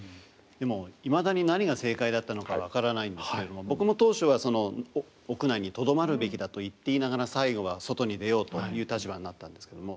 でもいまだに何が正解だったのか分からないんですけれども僕も当初は屋内にとどまるべきだと言っていながら最後は外に出ようという立場になったんですけども。